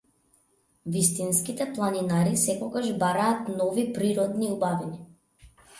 Вистинските планинари секогаш бараат нови природни убавини.